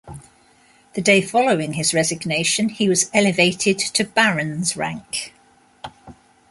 The day following his resignation, he was elevated to barons' rank.